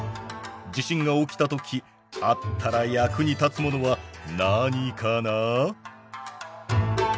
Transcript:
地震が起きた時あったら役に立つものは何かな？